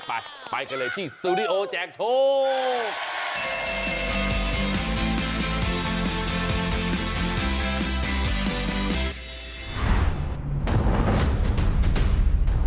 ไปไปกันเลยที่สตูดิโอแจกโชค